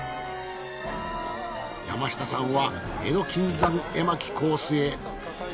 山下さんは江戸金山絵巻コースへ。